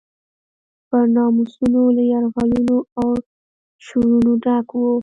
پر ناموسونو له یرغلونو او شورونو ډک و.